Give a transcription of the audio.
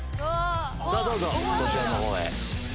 さぁどうぞこちらの方へ。